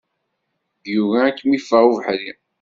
Yugi ad kem-iffeɣ ubeḥri.